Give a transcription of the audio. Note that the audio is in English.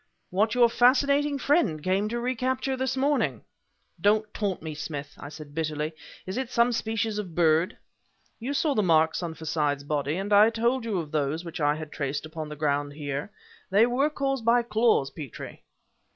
"What your fascinating friend came to recapture this morning." "Don't taunt me, Smith!" I said bitterly. "Is it some species of bird?" "You saw the marks on Forsyth's body, and I told you of those which I had traced upon the ground here. They were caused by claws, Petrie!"